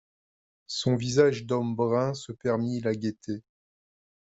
Son visage d'homme brun se permit la gaieté.